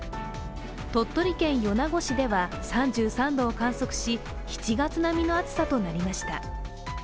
鳥取県米子市では３３度を観測し７月並みの暑さとなりました。